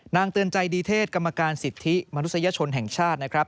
เตือนใจดีเทศกรรมการสิทธิมนุษยชนแห่งชาตินะครับ